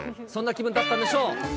そんな気分だったんでしょう。